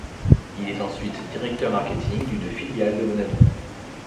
Il est ensuite directeur marketing d'une filiale de Wanadoo.